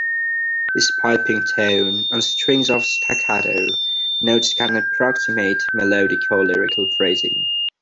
His piping tone and strings of staccato notes can't approximate melodic or lyrical phrasing.